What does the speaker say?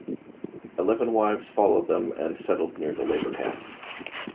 Eleven wives followed them and settled near the labour camps.